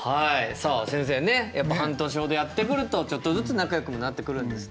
さあ先生ねやっぱ半年ほどやってくるとちょっとずつ仲よくもなってくるんですね。